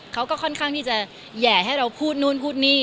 เขาก็ค่อนข้างที่จะแห่ให้เราพูดนู่นพูดนี่